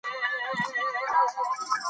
لعل د افغانستان د طبیعي زیرمو برخه ده.